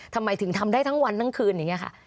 ทำไมถึงทำได้ทั้งวันทั้งคืนอย่างนี้ค่ะ